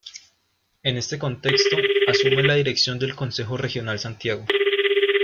En este contexto asume la dirección del Consejo Regional Santiago.